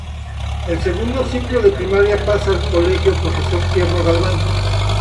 El Segundo Ciclo de Primaria pasa al colegio "Profesor Tierno Galván".